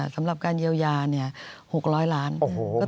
สำหรับการเยียวยา๖๐๐ล้าน